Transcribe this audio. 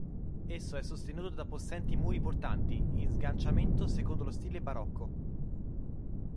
Esso è sostenuto da possenti muri portanti in sganciamento, secondo lo stile barocco.